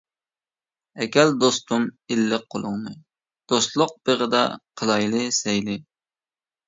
ئەكەل دوستۇم ئىللىق قۇلۇڭنى، دوستلۇق بېغىدا قىلايلى سەيلى.